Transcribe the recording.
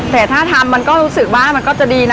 แต่ถ้าทำมันก็รู้สึกว่ามันก็จะดีนะ